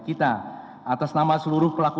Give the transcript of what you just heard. kita atas nama seluruh pelaku